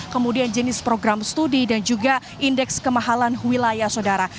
kemudian jenis program studi dan juga indeks kemahalan wilayah saudara